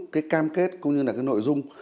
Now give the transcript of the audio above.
cam kết cũng như nội dung